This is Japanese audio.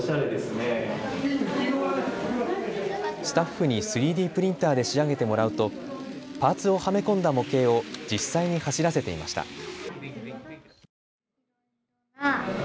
スタッフに３Ｄプリンターで仕上げてもらうとパーツをはめ込んだ模型を実際に走らせていました。